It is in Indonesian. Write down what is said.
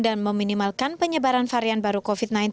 dan meminimalkan penyebaran varian baru covid sembilan belas